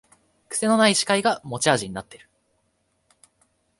くせのない司会が持ち味になってる